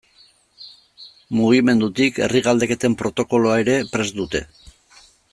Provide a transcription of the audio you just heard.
Mugimendutik herri galdeketen protokoloa ere prest dute.